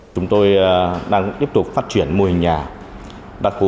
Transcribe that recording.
chúng tôi đang tiếp tục phát triển môi nhà